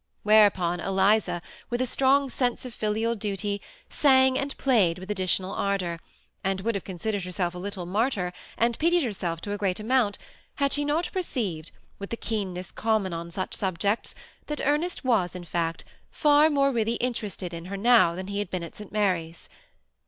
Whereupon Eliza, with a strong sense of filial duty, sang and played with 350 THE SEMI ATTACHED CX>nPLE. additional ardor, and would have considered herself a little martjr, and pitied herself to a great amount, had she not perceived, vnth the keenness common on such subjects, that Ernest was in fact far more really inteiv ested in her now than he had been at St. Mary's.